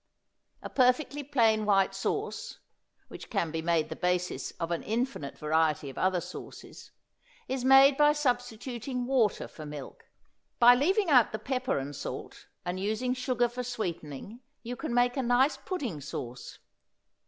A perfectly plain white sauce (which can be made the basis of an infinite variety of other sauces) is made by substituting water for milk; by leaving out the pepper and salt, and using sugar for sweetening, you can make a nice pudding sauce.